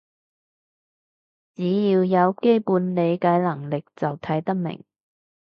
只要有基本理解能力就睇得明